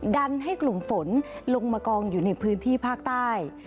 ดันให้กลุ่มฝนลงมากองอยู่ในพื้นที่ภาคใต้